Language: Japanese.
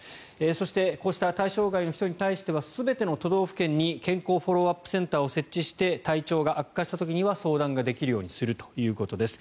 そしてこうした対象外の人に対しては全ての都道府県に健康フォローアップセンターを設置して体調が悪化した時には相談ができるようにするということです。